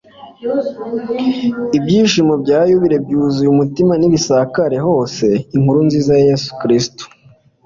ibyishimo bya yubile byuzuye umutima nibisakare hose. inkuru nziza ya yezu kristu